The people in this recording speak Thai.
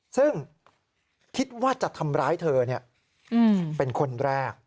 ซึ่งคิดว่าจะทำร้ายเธอเป็นคนแรก